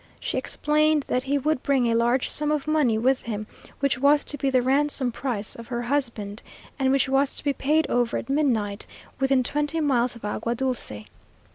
She explained that he would bring a large sum of money with him, which was to be the ransom price of her husband, and which was to be paid over at midnight within twenty miles of Agua Dulce.